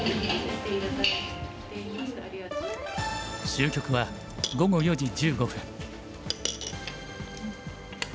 終局は午後４時１５分。